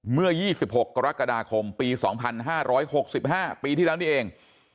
เมื่อยี่สิบหกกรกฎาคมปีสองพันห้าร้อยหกสิบห้าปีที่แล้วนี้เอง